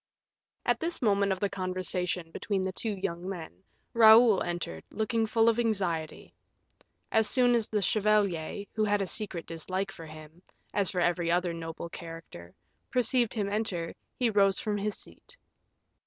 At this moment of the conversation between the two young men, Raoul entered, looking full of anxiety. As soon as the chevalier, who had a secret dislike for him, as for every other noble character, perceived him enter, he rose from his seat.